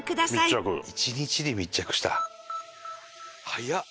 早っ！